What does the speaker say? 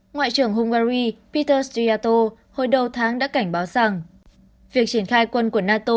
ngoại trưởng hungary peter syato hồi đầu tháng đã cảnh báo rằng việc triển khai quân của nato